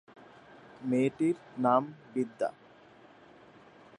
মেয়েটির নাম বিদ্যা।